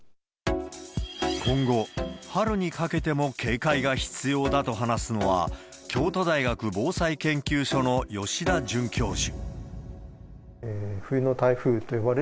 今後、春にかけても警戒が必要だと話すのは、京都大学防災研究所の吉田准教授。